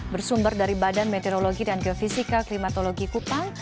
bersumber dari badan meteorologi dan geofisika klimatologi kupang